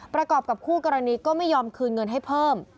ประกอบกับคู่กรณีก็ไม่ยอมคืนเงินให้เพิ่ม